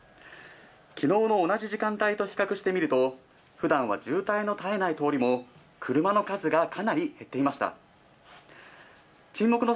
きのうの同じ時間帯と比較してみると、ふだんは渋滞の絶えない通りも、車の数がかなり減っていました。